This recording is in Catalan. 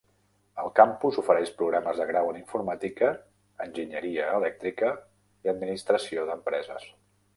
El campus ofereix programes de grau en Informàtica, Enginyeria elèctrica i Administració d'empreses.